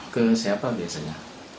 ke siapa biasanya